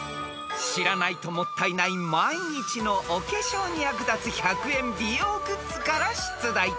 ［知らないともったいない毎日のお化粧に役立つ１００円美容グッズから出題］